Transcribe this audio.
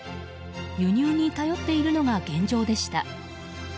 輸入に頼っているのが現状でした。